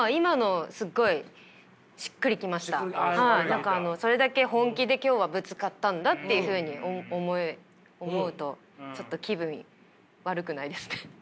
何かあのそれだけ本気で今日はぶつかったんだっていうふうに思うとちょっと気分悪くないですね。